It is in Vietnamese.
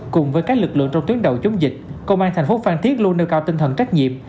cùng với các lực lượng trong tuyến đầu chống dịch công an thành phố phan thiết luôn nêu cao tinh thần trách nhiệm